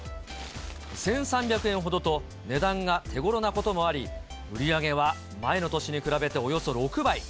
１３００円ほどと、値段が手ごろなこともあり、売り上げは前の年に比べておよそ６倍。